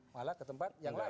malah ke tempat yang lain